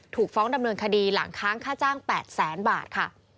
ถูกฟ้องดำเนินคดีหลังค้างค่าจ้าง๘แสนบาทค่ะ